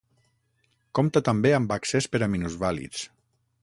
Compta també amb accés per a minusvàlids.